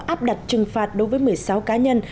áp đặt trừng phạt đối với một mươi sáu cá nhân